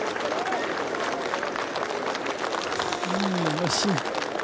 惜しい。